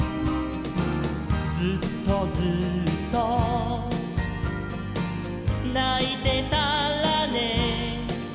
「ずっとずっとないてたらね」